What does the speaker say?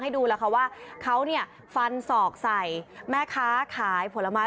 ให้ดูแล้วว่าเขาฟันสอกใส่แม่ค้าขายผลไม้